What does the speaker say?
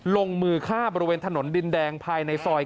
ลงมือฆ่าบริเวณถนนดินแดงภายในซอย